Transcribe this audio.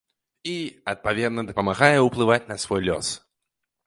І, адпаведна, дапамагае ўплываць на свой лёс.